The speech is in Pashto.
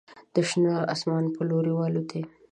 د شنه اسمان په لوري والوتې